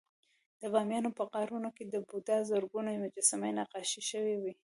د بامیانو په غارونو کې د بودا زرګونه مجسمې نقاشي شوې وې